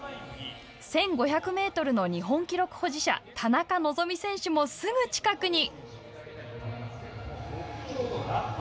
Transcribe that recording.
１５００メートルの日本記録保持者田中希実選手もすぐ近くに。